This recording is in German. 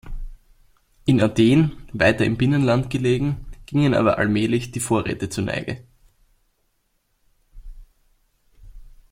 In Athen, weiter im Binnenland gelegen, gingen aber allmählich die Vorräte zur Neige.